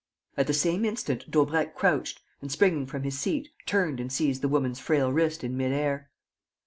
At the same instant Daubrecq crouched and, springing from his seat, turned and seized the woman's frail wrist in mid air.